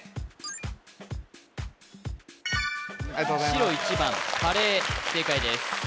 白１番カレー正解です